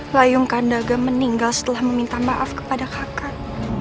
layung kandaga meninggal setelah meminta maaf kepada kakak